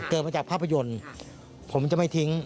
เกิดมาจากภาพยนตร์ผมจะไม่ทิ้ง